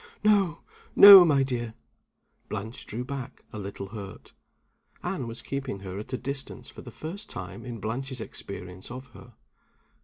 "No, no, my dear!" Blanche drew back, a little hurt. Anne was keeping her at a distance for the first time in Blanche's experience of her.